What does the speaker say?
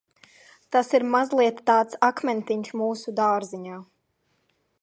"Tas ir mazliet tāds "akmentiņš mūsu dārziņā"."